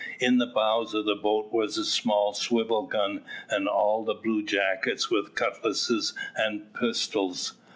In the bows of the boat was a small swivel gun, and all the bluejackets with cutlasses and pistols.